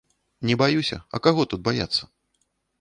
Не баюся, а каго тут баяцца?